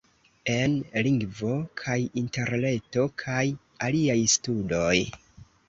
En: Lingvo kaj Interreto kaj aliaj studoj.